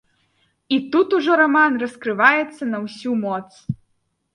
І тут ужо раман раскрываецца на ўсю моц!